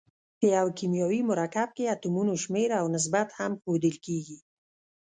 په یو کیمیاوي مرکب کې اتومونو شمیر او نسبت هم ښودل کیږي.